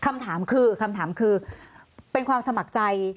คำถามคือคำถามคือเป็นความสมัครใจ